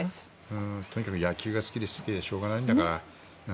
とにかく野球が好きで好きでしょうがないんだから。